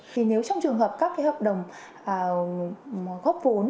thì nếu trong trường hợp các cái hợp đồng góp vốn